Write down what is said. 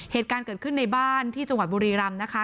เหตุการณ์เกิดขึ้นในบ้านที่จังหวัดบุรีรำนะคะ